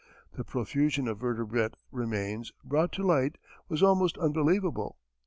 The profusion of vertebrate remains brought to light was almost unbelievable.